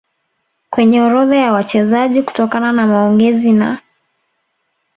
kwenye orodha ya wachezaji Kutokana na maongezi na